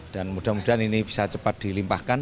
dan mudah mudahan ini bisa cepat dilimpahkan